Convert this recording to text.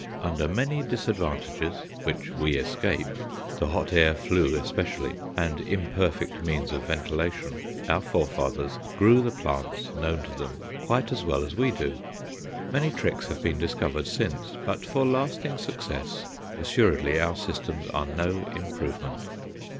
Under many disadvantages which we escape the hot air flue especially, and imperfect means of ventilation our fore fathers grew the plants known to them quite as well as we do. Many tricks have been discovered since, but for lasting success assuredly our systems are no improvement.